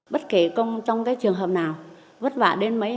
bất kể trong cái trường hợp nào vất vả đến mấy